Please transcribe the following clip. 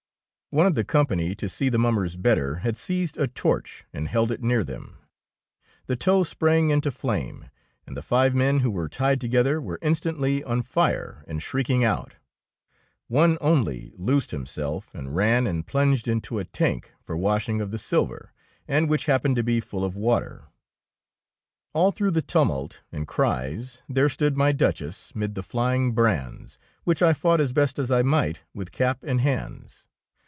One of the company, to see the mum mers better, had seized a torch and held it near them. The tow sprang into flame, and the five men who were tied together were instantly on fire and shrieking out. One only loosed him self and ran and plunged into a tank for washing of the silver, and which happened to be full of water. 50 THE ROBE OF THE DUCHESS All through the tumult and cries there stood my Duchess mid the flying brands, which I fought as best I might with cap and hands.